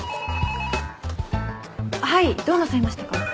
はいどうなさいましたか？